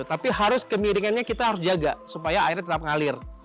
tapi harus kemiringannya kita harus jaga supaya airnya tetap ngalir